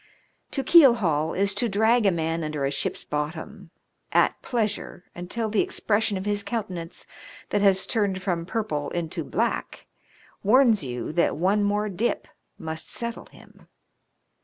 To keel haul is to drag a man under a ship's bottom, " at pleasure," until the expression of his countenance, that has turned from purple into black, warns you that one more dip must settle him.